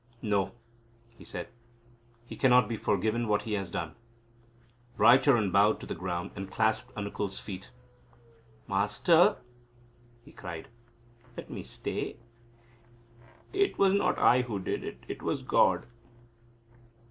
"No," he said, "he cannot be forgiven for what he has done." Raicharan bowed to the ground, and clasped Anukul's feet. "Master," he cried, "let me stay. It was not I who did it. It was God."